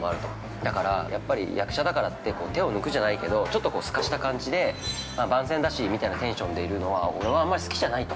だから、やっぱり役者だからって手を抜くじゃないけどちょっとすかした感じで番宣だしみたいなテンションでいるのは、俺はあんまり好きじゃないと。